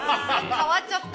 変わっちゃった。